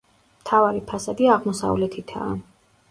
მთავარი ფასადი აღმოსავლეთითაა.